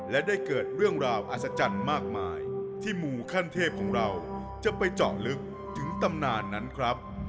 และได้เกิดเรื่องราวอัศจรรย์มากมายที่หมู่ขั้นเทพของเราจะไปเจาะลึกถึงตำนานนั้นครับ